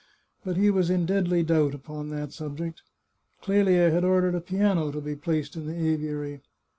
But he was in deadly doubt upon that subject. Clelia had ordered a piano to be placed in the aviary.